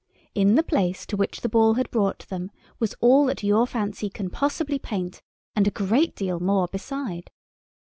In the place to which the Ball had brought them was all that your fancy can possibly paint, and a great deal more beside.